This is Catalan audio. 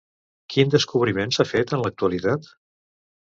Quin descobriment s'ha fet en l'actualitat?